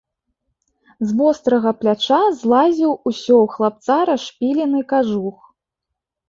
З вострага пляча злазіў усё ў хлапца расшпілены кажух.